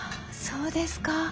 そうですか。